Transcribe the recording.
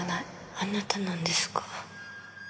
あなたなんですか？